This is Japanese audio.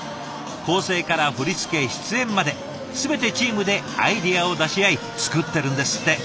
構成から振り付け出演まで全てチームでアイデアを出し合い作ってるんですって。